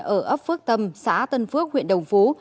ở ấp phước tâm xã tân phước huyện đồng phú